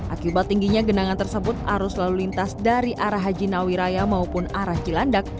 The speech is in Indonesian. akibat tingginya genangan tersebut arus lalu lintas dari arah haji nawiraya maupun arah cilandak